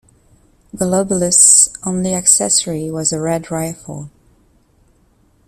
Golobulus' only accessory was a red rifle.